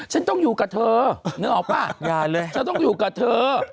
ฉันต้องอยู่กับเธอนึกออกป่ะฉันต้องอยู่กับเธอ